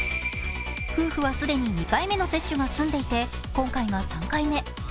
夫婦は既に２回目の接種が済んでいて、今回が３回目。